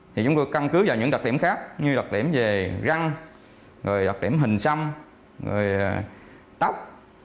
thì chúng ta cân cứ vào những đặc điểm khác như đặc điểm về răng đặc điểm hình xăm tóc